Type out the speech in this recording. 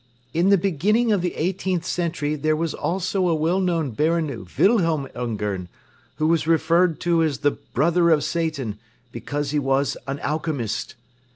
"In the beginning of the eighteenth century there was also a well known Baron Wilhelm Ungern, who was referred to as the 'brother of Satan' because he was an alchemist.